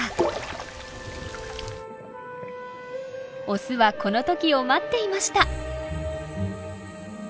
オスはこの時を待っていました。